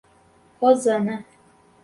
Rosana